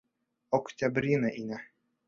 Октябрина инә.